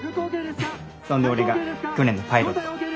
そんで俺が去年のパイロット。